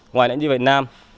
ngoài nãy như việt nam